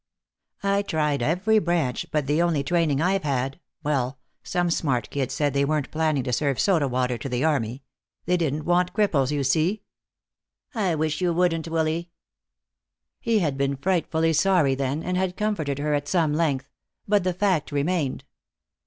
"I tried every branch, but the only training I've had well, some smart kid said they weren't planning to serve soda water to the army. They didn't want cripples, you see." "I wish you wouldn't, Willy." He had been frightfully sorry then and had comforted her at some length, but the fact remained.